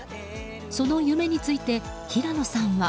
その夢について、平野さんは。